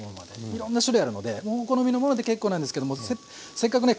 いろんな種類あるのでもうお好みのもので結構なんですけどもせっかくね